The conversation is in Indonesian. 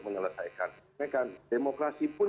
menyelesaikan demokrasi pun